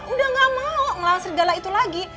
udah gak mau melawan serigala itu lagi